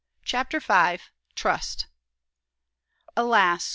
CHAPTER V. "TRUST." "Alas!